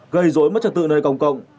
gây dối mất trật tự nơi công cộng